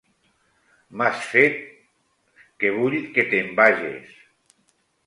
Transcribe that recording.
M'has fet... que vull que te'n vages!